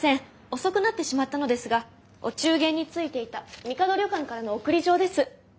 遅くなってしまったのですがお中元についていたみかど旅館からの送り状です。